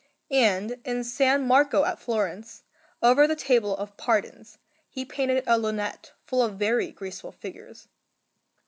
And in S. Marco at Florence, over the table of Pardons, he painted a lunette full of very graceful figures.